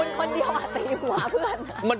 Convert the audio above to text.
คุณคนเดียวอ่ะตีหัวเพื่อน